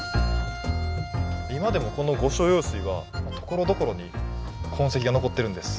今でもこの御所用水はところどころに痕跡が残ってるんです。